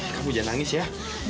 kamu jangan nangis ya